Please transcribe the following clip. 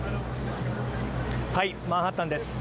マンハッタンです。